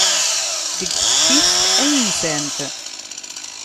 Deg teftist ay nsant.